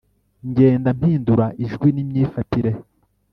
ngenda mpindura ijwi n’imyifatire